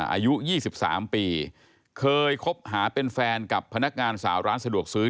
อายุ๒๓ปีเคยคบหาเป็นแฟนกับพนักงานสาวร้านสะดวกซื้อ